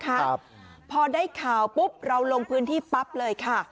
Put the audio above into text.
ครับพอได้ข่าวปุ๊บเราลงพื้นที่ปั๊บเลยค่ะ